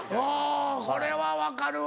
これは分かるわ。